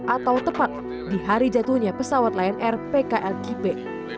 atau tepat di hari jatuhnya pesawat lion air pklkp